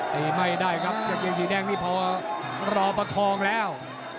ตีไม่ได้ครับกับเยี่ยมสีแดงนี่เพราะว่ารอประคองแล้ว